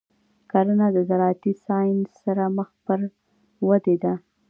کرنه د زراعتي ساینس سره مخ پر ودې ده.